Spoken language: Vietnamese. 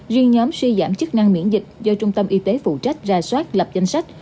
riêng nhóm suy giảm chức năng miễn dịch do trung tâm y tế phụ trách ra soát lập danh sách